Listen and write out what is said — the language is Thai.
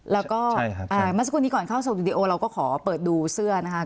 แล้วก็เมื่อสักครู่นี้ก่อนเข้าสู่วิดีโอเราก็ขอเปิดดูเสื้อนะคะ